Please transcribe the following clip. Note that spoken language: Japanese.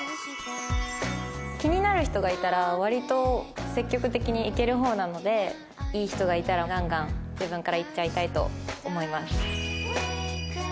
気になる人がいたら割と積極的にいける方なのでいい人がいたらガンガン自分からいっちゃいたいと思います。